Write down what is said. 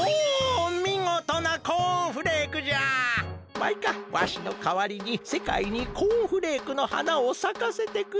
マイカわしのかわりにせかいにコーンフレークのはなをさかせてくれ！